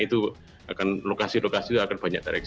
itu akan lokasi lokasi akan banyak terjadi